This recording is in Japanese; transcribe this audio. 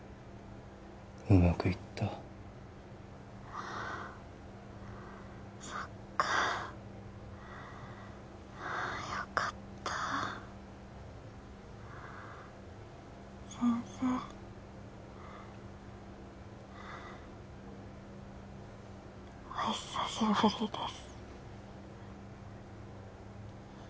うまくいったそっかああよかった先生お久しぶりです